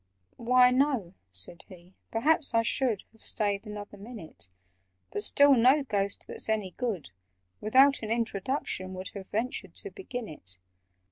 "Why, no," said he; "perhaps I should Have stayed another minute— But still no Ghost, that's any good, Without an introduction would Have ventured to begin it.